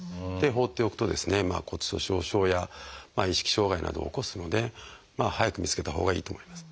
放っておくと骨粗鬆症や意識障害などを起こすので早く見つけたほうがいいと思います。